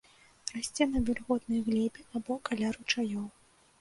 Расце на вільготнай глебе або каля ручаёў.